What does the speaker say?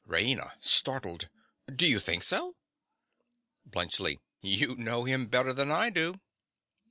RAINA. (startled). Do you think so? BLUNTSCHLI. You know him better than I do.